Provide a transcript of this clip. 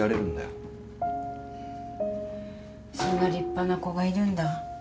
そんな立派な子がいるんだ。